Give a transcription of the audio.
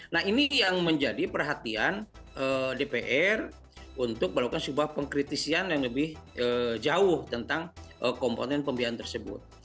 nah ini yang menjadi perhatian dpr untuk melakukan sebuah pengkritisian yang lebih jauh tentang komponen pembiayaan tersebut